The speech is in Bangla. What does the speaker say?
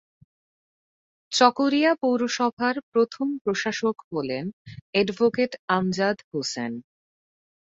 চকরিয়া পৌরসভার প্রথম প্রশাসক হলেন এডভোকেট আমজাদ হোসেন।